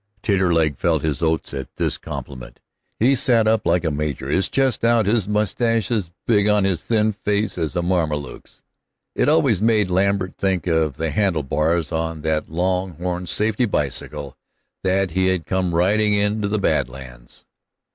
Taterleg felt his oats at this compliment. He sat up like a major, his chest out, his mustache as big on his thin face as a Mameluke's. It always made Lambert think of the handlebars on that long horn safety bicycle that he came riding into the Bad Lands.